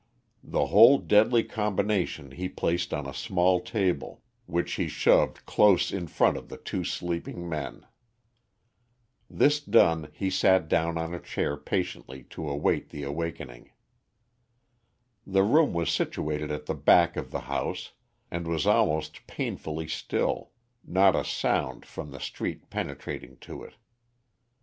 The whole deadly combination he placed on a small table, which he shoved close in front of the two sleeping men. This done, he sat down on a chair patiently to await the awakening. The room was situated at the back of the house, and was almost painfully still, not a sound from the street penetrating to it.